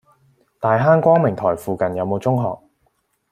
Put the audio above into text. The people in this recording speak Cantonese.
大坑光明臺附近有無中學？